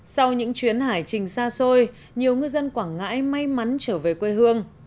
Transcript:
sau những chuyến hải trình xa xôi nhiều ngư dân quảng ngãi may mắn trở về quê hương